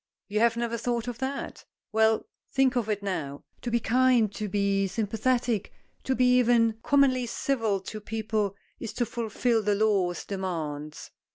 You have never thought of that? Well, think of it now. To be kind, to be sympathetic, to be even Commonly civil to people is to fulfil the law's demands."